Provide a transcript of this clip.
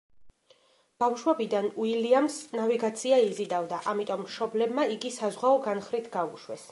ბავშვობიდან უილიამს ნავიგაცია იზიდავდა, ამიტომ მშობლებმა იგი საზღვაო განხრით გაუშვეს.